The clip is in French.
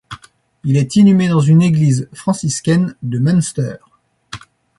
Il est inhumé dans une église franciscaine de Münster.